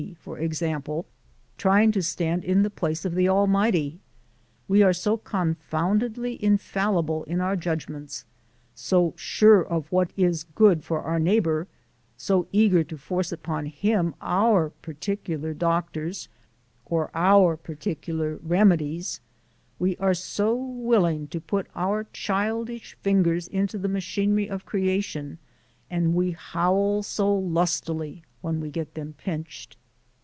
for example) trying to stand in the place of the Almighty. We are so confoundedly infallible in our judgments, so sure of what is good for our neighbour, so eager to force upon him our particular doctors or our particular remedies; we are so willing to put our childish fingers into the machinery of creation and we howl so lustily when we get them pinched!